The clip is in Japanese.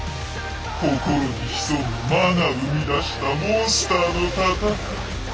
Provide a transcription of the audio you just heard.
心に潜む魔が生み出したモンスターの戦い